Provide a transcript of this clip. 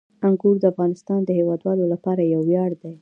انګور د افغانستان د هیوادوالو لپاره یو ویاړ دی.